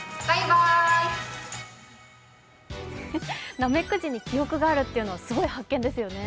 ナメクジに記憶があるってすごい発見ですよね。